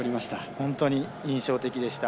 本当に印象的でした。